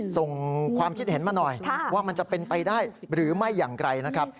ส่งความคิดเห็นมาหน่อยว่ามันจะเป็นไปได้หรือไม่อย่างไรนะครับ